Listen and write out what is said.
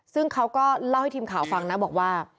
ซึ่งเขาก็เล่าให้ทีมข่าวฟังนะบอกว่า